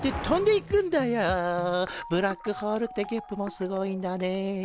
ブラックホールってゲップもすごいんだね。